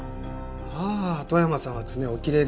ああ外山さんは爪おきれいですね。